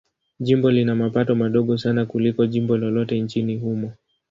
Jimbo lina mapato madogo sana kuliko jimbo lolote nchini humo.